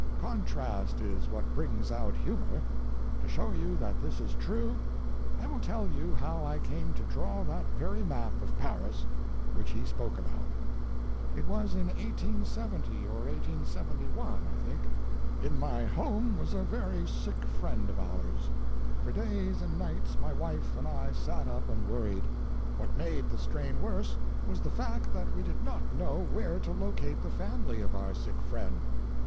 Contrast is what brings out humor. To show you that this is true, I will tell you how I came to draw that very map of Paris which he spoke about. It was in 1870 or 1871, I think. In my home was a very sick friend of ours. For days and nights my wife and I sat up and worried. What made the stain worse was the fact that we did not know where to locate the family of our sick friend.